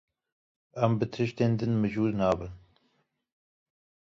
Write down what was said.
Em bi tiştên din mijûl nebin.